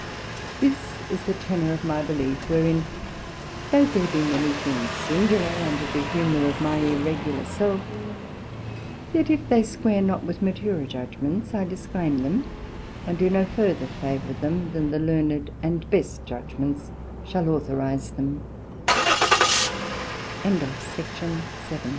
This is the Tenor of my belief; wherein, though there be many things singular, and to the humour of my irregular self; yet if they square not with maturer Judgements I disclaim them, and do no further favour them, than the learned and best judgements shall authorize t